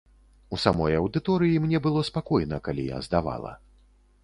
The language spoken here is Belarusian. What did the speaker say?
У самой аўдыторыі мне было спакойна, калі я здавала.